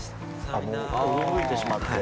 あっもう驚いてしまって。